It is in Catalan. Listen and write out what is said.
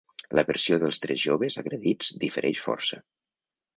La versió dels tres joves agredits difereix força.